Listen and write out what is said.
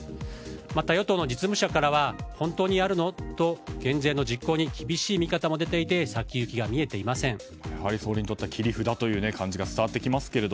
また、与党の実務者からは本当にやるの？と減税の実行に厳しい見方も出ていて総理にとっては切り札という感じが伝わってきますが。